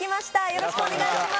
よろしくお願いします。